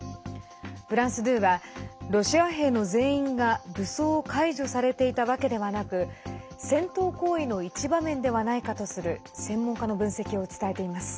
フランス２はロシア兵の全員が武装を解除されていたわけではなく戦闘行為の一場面ではないかとする専門家の分析を伝えています。